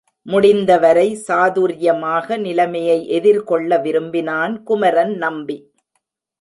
முடிந்தவரை சாதுர்யமாக நிலைமையை எதிர்கொள்ள விரும்பினான் குமரன் நம்பி.